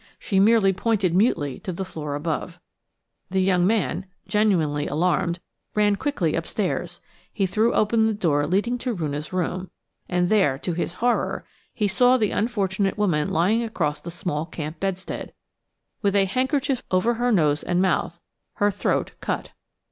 She merely pointed mutely to the floor above. The young man, genuinely alarmed, ran quickly upstairs; he threw open the door leading to Roonah's room, and there, to his horror, he saw the unfortunate woman lying across the small camp bedstead, with a handkerchief over her nose and mouth, her throat cut.